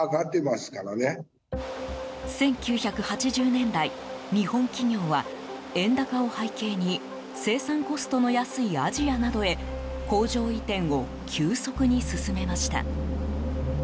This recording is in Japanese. １９８０年代日本企業は円高を背景に生産コストの安いアジアなどへ工場移転を急速に進めました。